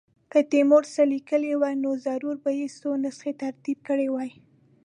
که تیمور څه لیکلي وای نو ضرور به یې څو نسخې ترتیب کړې وای.